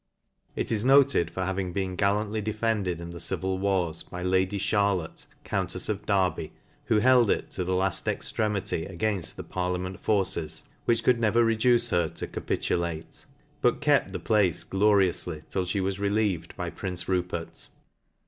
It is noted for having been gallantly defended in the civil wars by lady Charlotte^ countefs of Derby, who held it to the laft extremity againft the parliament forces, which could never re duce her to capitulate ; but kept the place glorioufly, till fhe was relieved by prince Rupert.